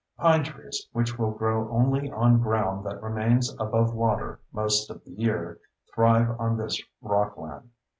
Pine trees, which will grow only on ground that remains above water most of the year, thrive on this rockland.